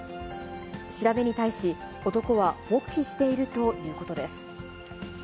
調べに対し、男は黙秘しているということです。